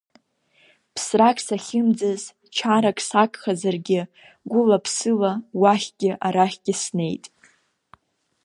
Ԥсрак сахьымӡаз, чарак сагхазаргьы, гәыла-ԥсыла уахьгьы арахьгьы снеит.